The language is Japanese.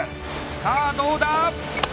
さあどうだ！